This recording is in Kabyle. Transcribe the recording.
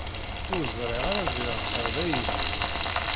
Ur ẓriɣ ara ziɣ tesɛid aydi.